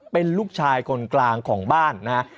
เป็นลูกชายคนกลางของบ้านนะฮะ